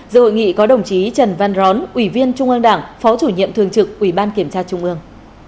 giữa hội nghị có đồng chí trần văn rón ủy viên trung ương đảng phó chủ nhiệm thường trực ủy ban kiểm tra trung ương